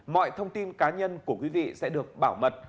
mọi thông tin cá nhân của quý vị sẽ được bảo mật